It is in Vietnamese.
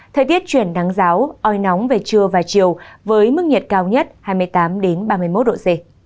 thời tiết chuyển nắng giáo oi nóng về trưa và chiều với mức nhiệt cao nhất hai mươi tám ba mươi một độ c